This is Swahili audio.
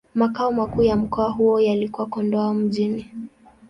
Makao makuu ya mkoa huo yalikuwa Kondoa Mjini.